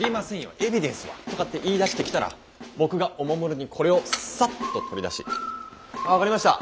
エビデンスは？」とかって言いだしてきたら僕がおもむろにこれをサッと取り出し「分かりました！